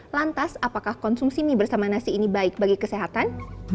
lantas apakah konsumsi mie bersama nasi ini baik bagi kesehatan